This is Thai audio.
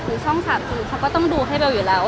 ช่อง๓คือเขาก็ต้องดูให้เบลอยู่แล้ว